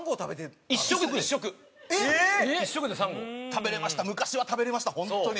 食べられました昔は食べられました本当に。